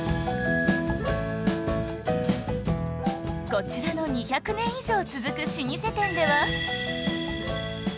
こちらの２００年以上続く老舗店では